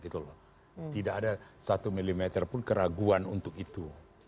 tidak ada satu mm pun keraguan untuk itu